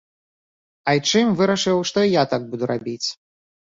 Айчым вырашыў, што і я так буду рабіць.